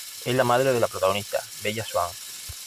Es la madre de la protagonista, Bella Swan.